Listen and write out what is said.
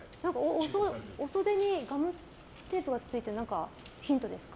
お袖にガムテープがついてるのは何かヒントですか？